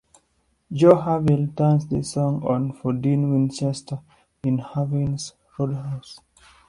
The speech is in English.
Jo Harvelle turns this song on for Dean Winchester in Harvelle's Roadhouse.